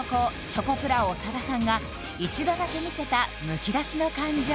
チョコプラ長田さんが一度だけ見せたむき出しの感情